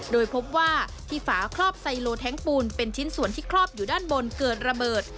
โดยพบว่าที่ฝาครอบไซโลแท้งปูนเป็นชิ้นส่วนที่ครอบอยู่ด้านบนเกิดระเบิด